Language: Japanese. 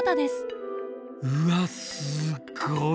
うわすっごい